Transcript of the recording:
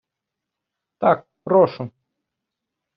Так, прошу.